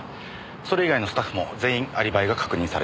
それ以外のスタッフも全員アリバイが確認されています。